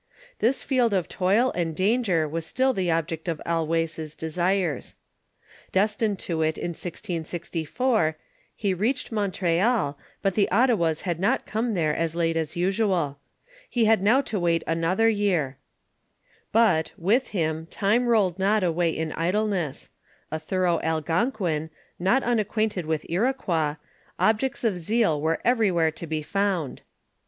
This field of toil and danger was still the object of Allouez' desires. Destined to it in 1664, he reached Mon treal, but the Ottawas had not come there as lato as usual He had now to wait another year; but; with him, time rolled not away in idleness; a thorough Algonquin, not unacquainted with Iroquois, objects of zeal were everywhere to be found.